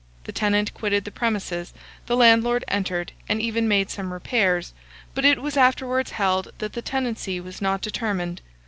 The tenant quitted the premises; the landlord entered, and even made some repairs, but it was afterwards held that the tenancy was not determined.